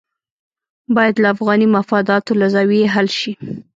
باید له افغاني مفاداتو له زاویې حل شي.